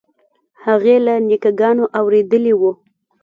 هغې له نیکه ګانو اورېدلي وو.